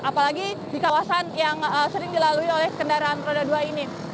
apalagi di kawasan yang sering dilalui oleh kendaraan roda dua ini